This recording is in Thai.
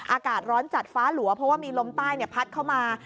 อากาศร้อนจัดฟ้าหลัวเพราะว่ามีลมใต้พัดเข้ามา